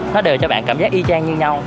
nó đều cho bạn cảm giác y trang như nhau